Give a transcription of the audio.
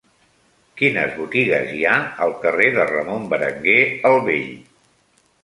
Quines botigues hi ha al carrer de Ramon Berenguer el Vell?